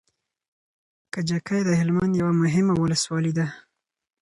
کجکی د هلمند يوه مهمه ولسوالي ده